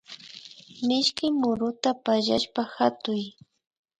Mishki muruta pallashpa hatuy